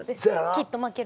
きっと負ける。